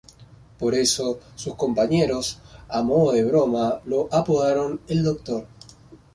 Por eso, sus compañeros, a modo de broma, lo apodaron "el doctor".